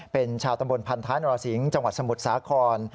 เป็นชาวตำบลพันธ้านรสิงห์จังหวัดสมุทรสาคร